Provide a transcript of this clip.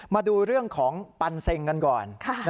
มาดูเรื่องของปันเซ็งกันก่อน